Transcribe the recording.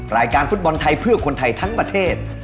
รายการฟุตบอลไทยเพื่อคนไทยทั้งประเทศ